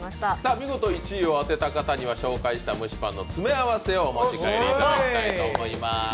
見事１位を当てた方には紹介した蒸しパンの詰め合わせをお持ち帰りいただきたいと思います。